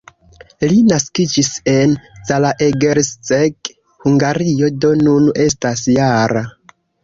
Li naskiĝis en Zalaegerszeg, Hungario, do nun estas -jara.